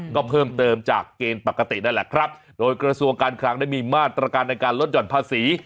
ก็เพิ่มเติมจากเกณฑ์ปกตินั่นแหละครับโดยกระทรวงการคลังได้มีมาตรการในการลดหย่อนภาษี